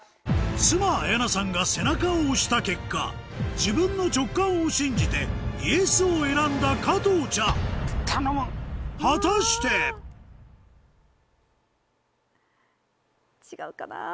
妻・綾菜さんが背中を押した結果自分の直感を信じてＹｅｓを選んだ加藤茶果たして⁉違うかなぁ。